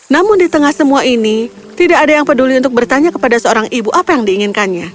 namun di tengah semua ini tidak ada yang peduli untuk bertanya kepada seorang ibu apa yang diinginkannya